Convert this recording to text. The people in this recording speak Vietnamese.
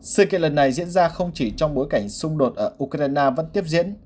sự kiện lần này diễn ra không chỉ trong bối cảnh xung đột ở ukraine vẫn tiếp diễn